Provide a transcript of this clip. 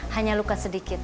hanya luka sedikit